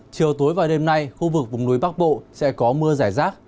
chiều tối và đêm nay khu vực vùng núi bắc bộ sẽ có mưa giải rác